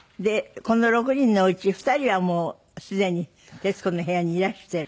この６人のうち２人はもうすでに『徹子の部屋』にいらしてる。